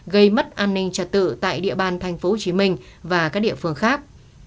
gây mất an ninh trật tự tại địa bàn tp hcm và các địa phương khác